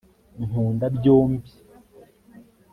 nkunda byombi